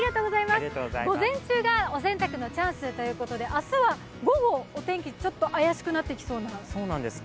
午前中がお洗濯のチャンスということで明日は午後、お天気、ちょっと怪しくなってきそうですか。